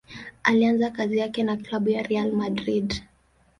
Alianza kazi yake na klabu ya Real Madrid.